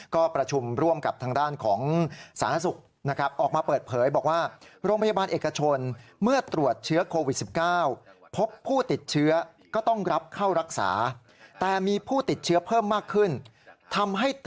ก็ประชุมร่วมกับทางด้านของสาธารณสุขออกมาเปิดเผยบอกว่า